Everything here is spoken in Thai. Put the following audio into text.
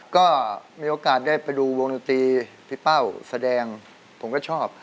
ก็มีโอกาสได้ไปดูวงดนตรีพี่เป้าแสดงผมก็ชอบ